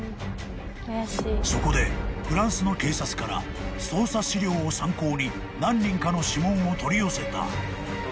［そこでフランスの警察から捜査資料を参考に何人かの指紋を取り寄せた］